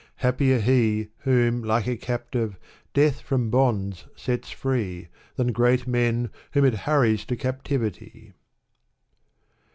Happier he Whom, like a captive, death from bonds sets free, Than great men, whom it hurries to captivity."